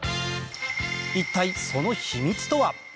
一体その秘密とは？